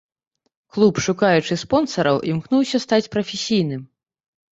Клуб, шукаючы спонсараў, імкнуўся стаць прафесійным.